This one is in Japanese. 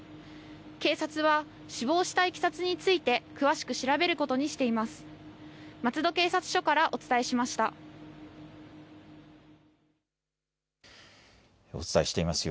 警察は死亡したいきさつについて詳しく調べることにしています。